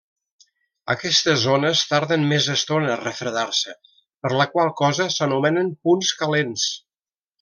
Aquestes zones tarden més estona a refredar-se, per la qual cosa s’anomenen punts calents.